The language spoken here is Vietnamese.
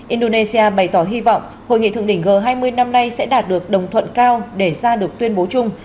indonesia bày tỏ hy vọng hội nghị thượng đỉnh g hai mươi năm nay sẽ đạt được đồng thuận cao để ra được tuyên bố chung